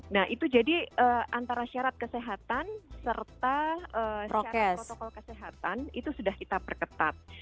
nah itu jadi antara syarat kesehatan serta syarat protokol kesehatan itu sudah kita perketat